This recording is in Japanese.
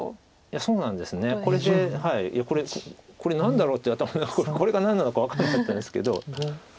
そうなんですこれで。いやこれ何だろうってこれが何なのか分かんなかったんですけど。